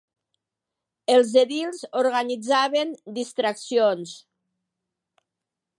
Els edils organitzaven distraccions.